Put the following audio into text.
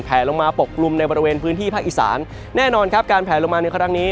ลงมาปกกลุ่มในบริเวณพื้นที่ภาคอีสานแน่นอนครับการแผลลงมาในครั้งนี้